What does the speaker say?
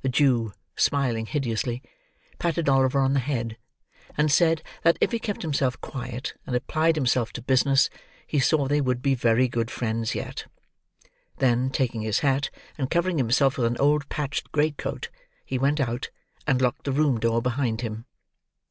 The Jew, smiling hideously, patted Oliver on the head, and said, that if he kept himself quiet, and applied himself to business, he saw they would be very good friends yet. Then, taking his hat, and covering himself with an old patched great coat, he went out, and locked the room door behind him.